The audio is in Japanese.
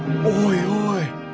おいおい！